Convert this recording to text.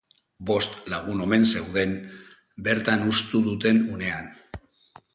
Bost lagun omen zeuden bertan hustu duten unean.